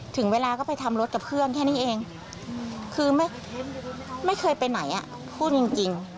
ถึงเวลาก็ไปทำรถกับเครื่องแค่นี้เอง